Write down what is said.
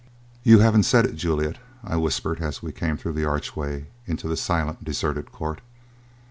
"You haven't said it, Juliet," I whispered, as we came through the archway into the silent, deserted court.